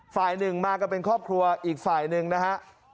ฝ่ายหนึ่งมากันเป็นครอบครัวอีกฝ่ายหนึ่งนะฮะ